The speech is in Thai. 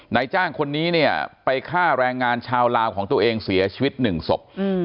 นายจ้างคนนี้เนี่ยไปฆ่าแรงงานชาวลาวของตัวเองเสียชีวิตหนึ่งศพ